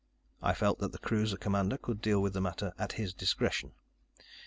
I felt that the cruiser commander could deal with the matter at his discretion.